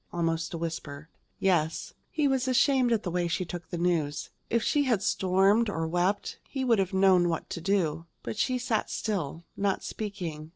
almost a whisper. "Yes." He was ashamed at the way she took the news. If she had stormed or wept, he would have known what to do. But she sat still, not speaking.